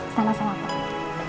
selamat siang mbak